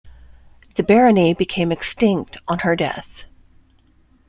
The barony became extinct on her death.